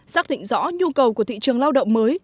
xác định rõ nhu cầu của thị trường lao động mới